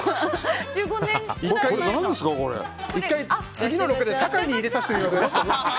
１回、次のロケで酒井に入れさせてください。